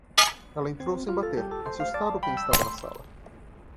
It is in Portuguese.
Ela entrou sem bater, assustado quem estava na sala.